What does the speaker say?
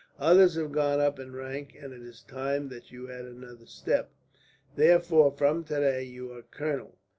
Others have gone up in rank, and it is time that you had another step. Therefore, from today you are colonel.